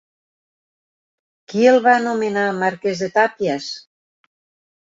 Qui el va nomenar marquès de Tàpies?